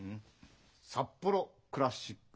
札幌クラシック。